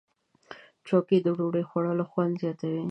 چوکۍ د ډوډۍ خوړلو خوند زیاتوي.